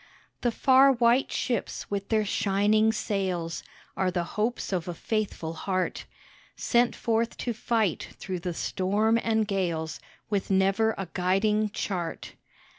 The far white ships with their shining sails Are the hopes of a faithful heart, Sent forth to fight through the storm and gales, With never a guiding chart.